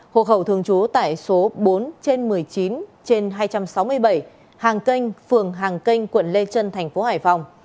hộ khẩu thường trú tại số bốn trên một mươi chín trên hai trăm sáu mươi bảy hàng kênh phường hàng kênh quận lê trân thành phố hải phòng